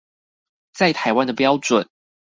在台灣的標準